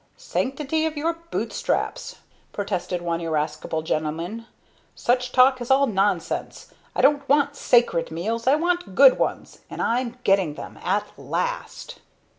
"Sanctity of your bootstraps!" protested one irascible gentleman. "Such talk is all nonsense! I don't want sacred meals I want good ones and I'm getting them, at last!"